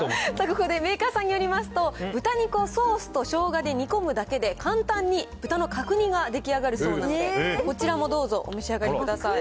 ここで、メーカーさんによりますと、豚肉をソースとショウガで煮込むだけで、簡単に豚の角煮が出来上がるそうなので、こちらもどうぞお召し上がりください。